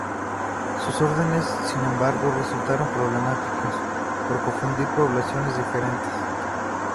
Sus órdenes, sin embargo, resultaron problemáticas, por confundir poblaciones diferentes.